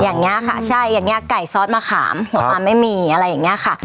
อย่างนี้ค่ะใช่อย่างนี้ไก่ซอสมะขามหัวปลาไม่มีอะไรอย่างเงี้ยค่ะ